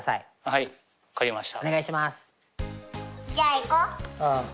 はい分かりました。